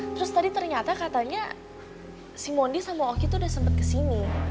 terus tadi ternyata katanya si mondi sama oki tuh udah sempet kesini